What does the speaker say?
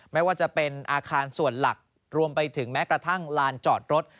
ไม่ว่าจะเป็นอาคารส่วนหลักรวมไปถึงแม้กระทั่งลานจอดรถ